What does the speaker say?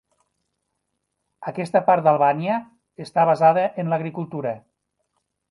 Aquesta part d'Albània està basada en l'agricultura.